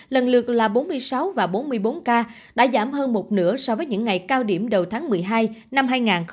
lần lượt là bốn mươi sáu và bốn mươi bốn ca đã giảm hơn một nửa so với những ngày cao điểm đầu tháng một mươi hai năm hai nghìn hai mươi ba